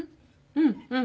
うんうん。